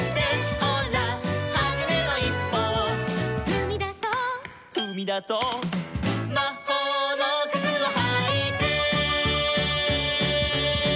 「ほらはじめのいっぽを」「ふみだそう」「ふみだそう」「まほうのくつをはいて」